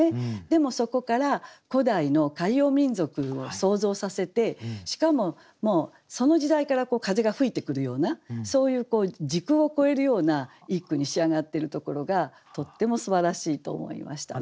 でもそこから古代の海洋民族を想像させてしかももうその時代から風が吹いてくるようなそういう時空を超えるような一句に仕上がっているところがとってもすばらしいと思いました。